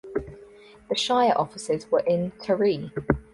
The shire offices were in Taree.